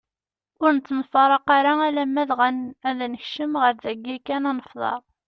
Ur nettemfraq ara alamm dɣa ad nekcem ɣer dagi kan ad nefteṛ.